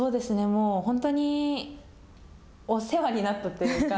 もう本当にお世話になったというか。